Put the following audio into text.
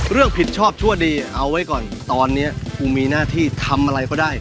ผิดชอบชั่วดีเอาไว้ก่อนตอนนี้กูมีหน้าที่ทำอะไรก็ได้